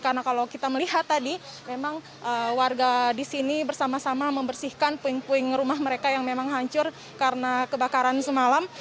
karena kalau kita melihat tadi memang warga disini bersama sama membersihkan puing puing rumah mereka yang memang hancur karena kebakaran semalam